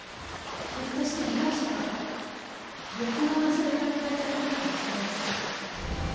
ひょっとして被害者は別の場所で殺害されたかもしれないわ。